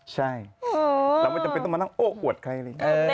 ใช่เราไม่จำเป็นต้องมานั่งโอ้หวดใคร